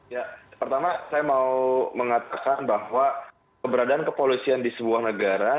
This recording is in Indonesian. ya pertama saya mau mengatakan bahwa keberadaan kepolisian di sebuah negara